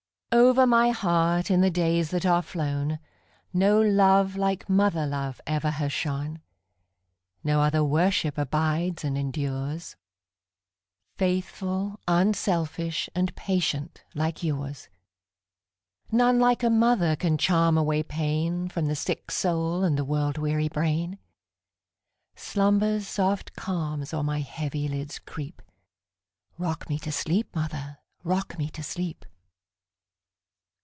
Over my heart, in the days that are flown, No love like mother love ever has shone; No other worship abides and endures,—Faithful, unselfish, and patient like yours:None like a mother can charm away painFrom the sick soul and the world weary brain. Slumber's soft calms o'er my heavy lids creep;—Rock me to sleep, mother,—rock me to sleep!